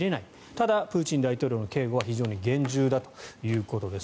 ただ、プーチン大統領の警護は非常に厳重だということです。